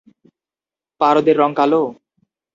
পারদের রং কালো?